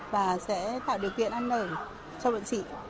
và sẽ tạo điều kiện ăn ở cho bọn chị